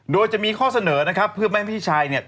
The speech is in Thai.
โดยจะมีข้อเสนอเพื่อให้พี่ชาย